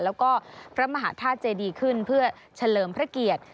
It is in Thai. แล้วก็พระมหาธาตุเจดีขึ้นเพื่อเฉลิมพระเกียรติ